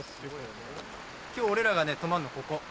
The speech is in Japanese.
今日俺らが泊まるのここ。